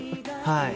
はい。